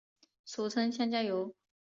俗称香蕉油。